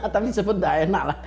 tapi sempat enaklah